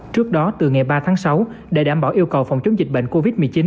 trước đó từ ngày ba tháng sáu để đảm bảo yêu cầu phòng chống dịch bệnh covid một mươi chín